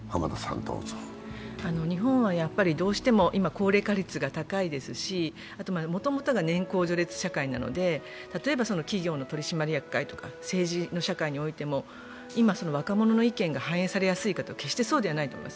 日本はどうしても今、高齢化率が高いですし、もともとが年功序列社会なので例えば企業の取締役会だとか政治の世界においても今、若者の意見が反映されやすいかというと、決してそうではないと思います。